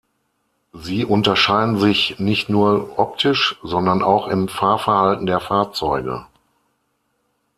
Sie unterscheiden sich nicht nur optisch, sondern auch im Fahrverhalten der Fahrzeuge.